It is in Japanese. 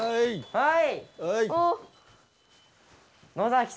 はい。